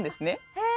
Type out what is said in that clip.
へえ。